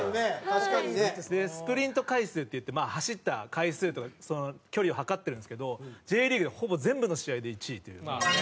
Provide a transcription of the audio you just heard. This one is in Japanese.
確かにね。でスプリント回数っていって走った回数とか距離を測ってるんですけどＪリーグでほぼ全部の試合で１位っていう。